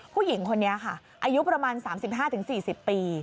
ผู้หญิงคนนี้ค่ะอายุประมาณ๓๕๔๐ปี